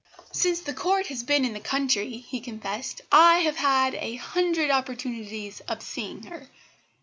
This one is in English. "Since the Court has been in the country," he confessed, "I have had a hundred opportunities of seeing her.